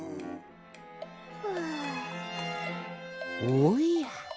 おや。